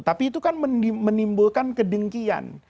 tapi itu kan menimbulkan kedengkian